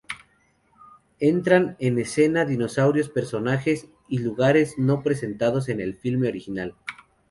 Entran en escena dinosaurios, personajes y lugares no presentados en el filme original.